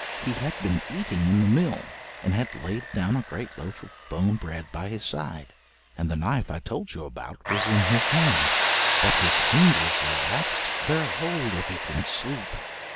He had been eating in the mill, and had laid down a great loaf of bone bread by his side, and the knife I told you about was in his hand, but his fingers relaxed their hold of it in sleep.